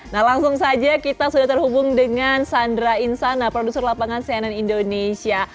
nah langsung saja kita sudah terhubung dengan sandra insana produser lapangan cnn indonesia